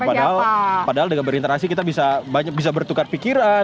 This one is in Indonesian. padahal dengan berinteraksi kita bisa bertukar pikiran